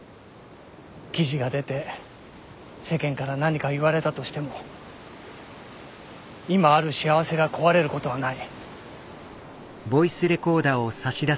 記事が出て世間から何か言われたとしても今ある幸せが壊れることはない。